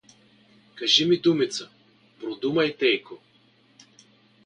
Кажи ми думица… Продумай, тейко!